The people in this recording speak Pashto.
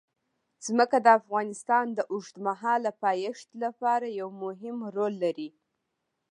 ځمکه د افغانستان د اوږدمهاله پایښت لپاره یو مهم رول لري.